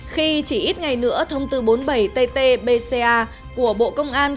khi chỉ ít ngày nữa thông tư bốn mươi bảy tt bca của bộ công an